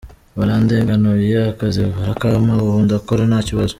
Barandenganuye akazi barakampa ubu ndakora nta kibazo.